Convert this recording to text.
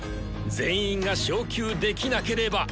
全員が昇級できなければ。